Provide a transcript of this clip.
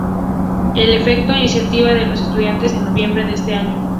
Es electo, a iniciativa de los estudiantes, en noviembre de ese año.